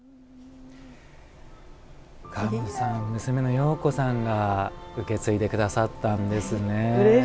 川本さん、娘の庸子さんが受け継いでくださったんですね。